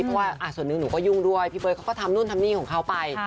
เพราะว่าส่วนหนึ่งหนูก็ยุ่งด้วยพี่เบิร์ตเขาก็ทำนู่นทำนี่ของเขาไป